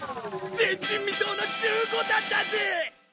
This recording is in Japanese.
前人未到の１５段だぜ！